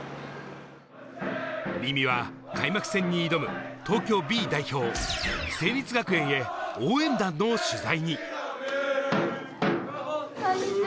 凛美は開幕戦に挑む東京Ｂ代表・成立学園へ応援団の取材に。